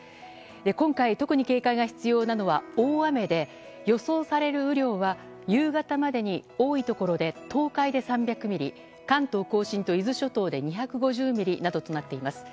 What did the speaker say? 今回特に警戒が必要なのは大雨で予想される雨量は夕方までに、多いところで東海で３００ミリ関東・甲信と伊豆諸島で２５０ミリなどとなっています。